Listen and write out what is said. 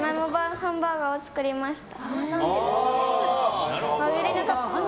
ハンバーグを作りました。